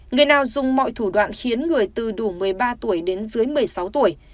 người nào dùng mọi thủ đoạn khiến người từ đủ một mươi ba tuổi đến dưới một mươi sáu tuổi